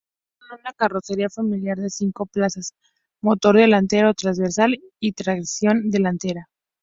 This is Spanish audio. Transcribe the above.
Tiene una carrocería familiar de cinco plazas, motor delantero transversal y tracción delantera.